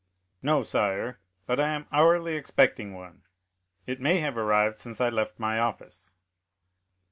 "No, sire, but I am hourly expecting one; it may have arrived since I left my office."